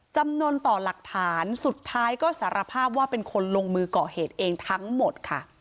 จำนวนต่อหลักฐานสุดท้ายก็สารภาพว่าเป็นคนลงมือก่อเหตุเองทั้งหมดค่ะ